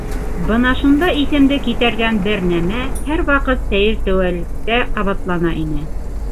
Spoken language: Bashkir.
Бына шунда иҫемде китәргән бер нәмә һәр ваҡыт сәйер теүәллектә ҡабатлана ине.